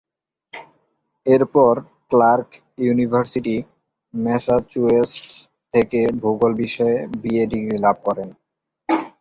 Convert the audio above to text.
এরপর Clark University, Massachusetts থেকে ভূগোল বিষয়ে বিএ ডিগ্রি লাভ করেন।